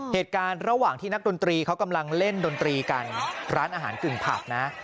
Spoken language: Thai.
เหตุการณ์ระหว่างที่นักดนตรีเขากำลังเล่นดนตรีกันร้านอาหารกึ่งผับนะ